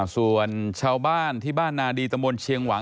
ส่วนชาวบ้านที่บ้านนาดีตะมนต์เชียงหวัง